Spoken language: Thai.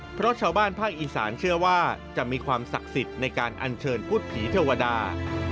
เพราะชาวบ้านภาคอีสานเชื่อว่าจะมีความศักดิ์สิทธิ์ในการอัญเชิญพุทธผีเทวดา